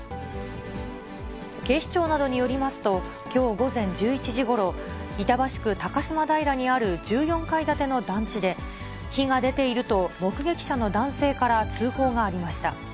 警視庁などによりますと、きょう午前１１時ごろ、板橋区高島平にある１４階建ての団地で、火が出ていると目撃者の男性から通報がありました。